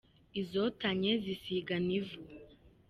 Izotanye zisigana ivu.